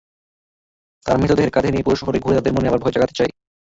তার মৃতদেহ কাঁধে নিয়ে পুরো শহর ঘুরে তাদের মনে আবার ভয় জাগাতে চাই।